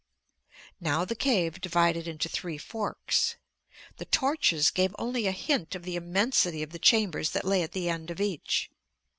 Now the cave divided into three forks. The torches gave only a hint of the immensity of the chambers that lay at the end of each.